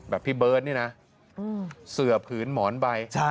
พี่เบิร์ตนี่นะเสือผืนหมอนใบ